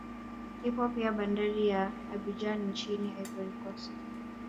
Ipo pia bandari ya Abidjan nchini Ivory Coast